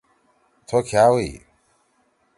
تھو کہئا ہوئ